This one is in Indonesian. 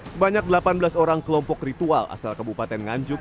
sebanyak delapan belas orang kelompok ritual asal kabupaten nganjuk